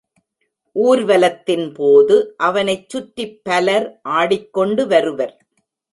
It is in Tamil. ஊர்வலத்தின்போது அவனைச் சுற்றிப் பலர் ஆடிக்கொண்டு வருவர்.